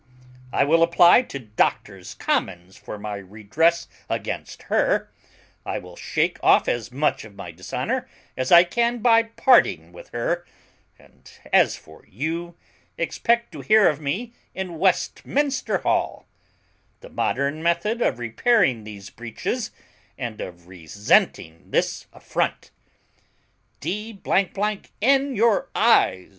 I will apply to Doctors' Commons for my redress against her; I will shake off as much of my dishonour as I can by parting with her; and as for you, expect to hear of me in Westminster hall; the modern method of repairing these breaches and of resenting this affront." "D n your eyes!"